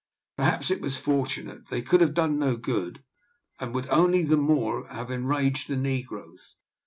Perhaps it was fortunate; they could have done no good, and would only the more have enraged the negroes.